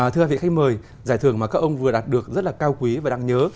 thưa hai vị khách mời giải thưởng mà các ông vừa đạt được rất là cao quý và đáng nhớ